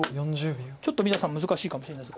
ちょっと皆さん難しいかもしれないです。